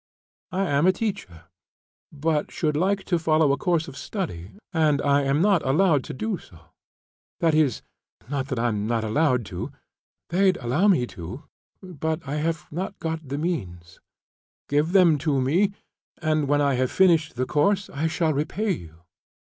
"I am a teacher, but should like to follow a course of study; and I am not allowed to do so. That is, not that I am not allowed to; they'd allow me to, but I have not got the means. Give them to me, and when I have finished the course I shall repay you.